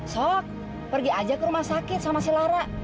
sok pergi aja ke rumah sakit sama si lara